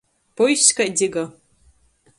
Puiss kai dziga!